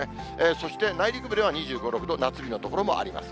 そして、内陸部では２５、６度、夏日の所もあります。